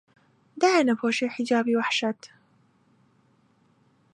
دایان ئەپۆشێ حیجابی وەحشەت